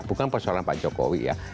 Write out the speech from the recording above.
bukan persoalan pak jokowi ya